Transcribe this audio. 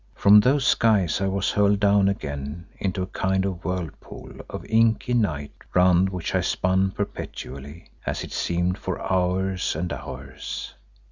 From those skies I was hurled down again into a kind of whirlpool of inky night, round which I spun perpetually, as it seemed for hours and hours.